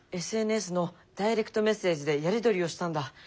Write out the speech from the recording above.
ＳＮＳのダイレクトメッセージでやり取りをしたんだ。